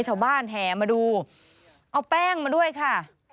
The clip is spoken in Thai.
ชาวบ้านแห่มาดูเอาแป้งมาด้วยค่ะ